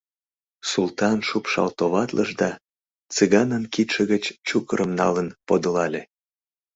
Султан шупшал товатлыш да, Цыганын кидше гыч чукырым налын, подылале.